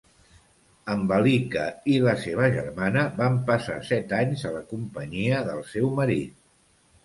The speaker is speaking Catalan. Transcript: Ambalika i la seva germana van passar set anys a la companyia del seu marit.